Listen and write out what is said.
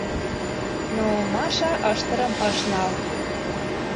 Но Маша ыштырым ыш нал.